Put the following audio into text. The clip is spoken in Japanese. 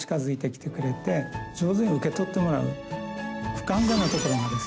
不完全なところがですね